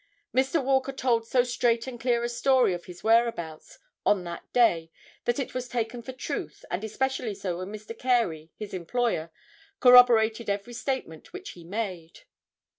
Mr. Walker told so straight and clear a story of his whereabouts on that day that it was taken for truth and especially so when Mr. Carey, his employer, corroborated every statement which he had made.